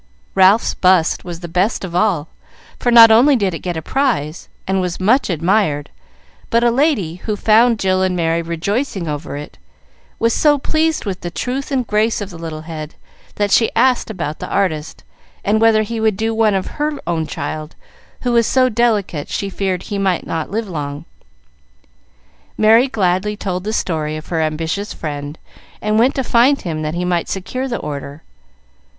Ralph's bust was the best of all, for not only did it get a prize, and was much admired, but a lady, who found Jill and Merry rejoicing over it, was so pleased with the truth and grace of the little head, that she asked about the artist, and whether he would do one of her own child, who was so delicate she feared he might not live long. Merry gladly told the story of her ambitious friend, and went to find him, that he might secure the order.